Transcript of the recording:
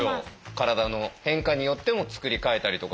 体の変化によってもつくり替えたりとか。